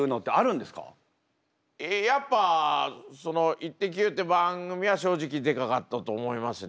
やっぱ「イッテＱ！」って番組は正直でかかったと思いますね。